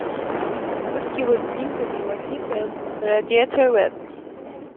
Whisky would seem to be what he filled the radiator with.